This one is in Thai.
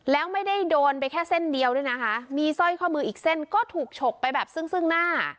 แล้วไม่ได้โดนไปแค่เส้นเดียวด้วยนะคะมีสร้อยข้อมืออีกเส้นก็ถูกฉกไปแบบซึ่งซึ่งหน้า